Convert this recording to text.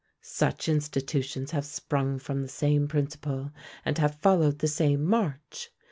Such institutions have sprung from the same principle, and have followed the same march.